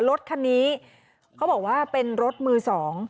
รถคันนี้เขาบอกว่าเป็นรถมือสอง